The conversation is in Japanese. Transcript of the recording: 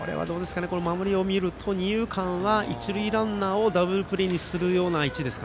守りを見ると二遊間は一塁ランナーをダブルプレーにするような位置。